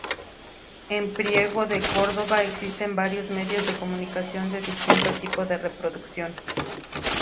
En Priego de Córdoba existen varios medios de comunicación de distinto tipo de reproducción.